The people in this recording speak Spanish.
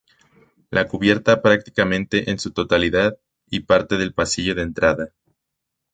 La cubierta prácticamente en su totalidad, y parte del pasillo de entrada.